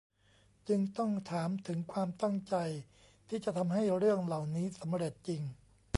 จึงต้องถามถึงความตั้งใจที่จะทำให้เรื่องเหล่านี้สำเร็จจริง